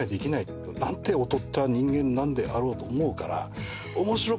何て劣った人間なんであろうと思うから。